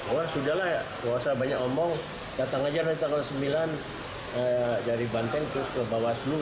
oh sudah lah ya nggak usah banyak omong datang aja dari tanggal sembilan dari banten terus ke bawaslu